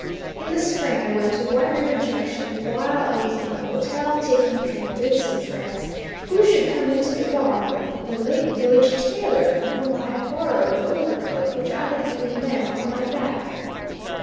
In the spring I went to White River Junction, and while I was in the hotel taking a drink with some friends, who should come into the bar room but the Lake Village tailor from whom I had borrowed the overcoat which I had even then on my back.